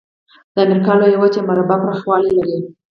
د امریکا لویه وچه مربع پرخوالي لري.